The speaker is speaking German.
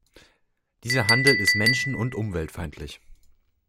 Dieser Handel ist menschenund umweltfeindlich.